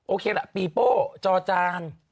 โอเคล่ะปีโป้จอจาน